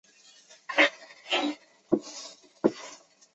水流好比太阳风不断向外喷射。